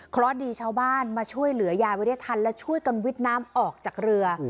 เพราะดีชาวบ้านมาช่วยเหลือยายไว้ได้ทันและช่วยกันวิทย์น้ำออกจากเรือ